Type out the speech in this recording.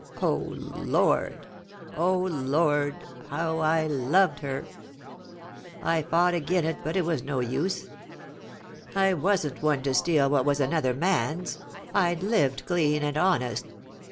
O Lord ! O Lord ! how I loved her ! I fought agen it, but it was no use. I wasn't one to steal what was another man's ; I'd lived clean and honest.